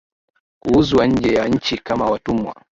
kuuzwa nje ya nchi kama watumwa